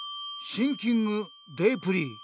シンキングデープリー。